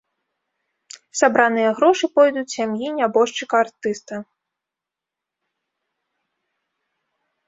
Сабраныя грошы пойдуць сям'і нябожчыка артыста.